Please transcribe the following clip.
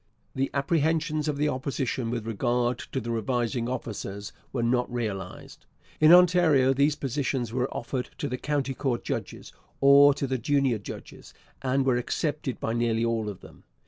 The apprehensions of the Opposition with regard to the revising officers were not realized. In Ontario these positions were offered to the county court judges, or to the junior judges, and were accepted by nearly all of them.